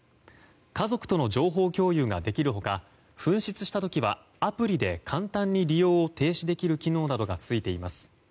家族との情報共有ができる他紛失した時はアプリで簡単に利用を停止できる機能などがついています。